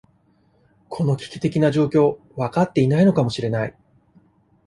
この危機的状況、分かっていないのかもしれない。